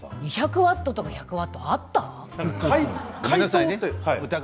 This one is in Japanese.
２００ワットとか１００ワットってあった？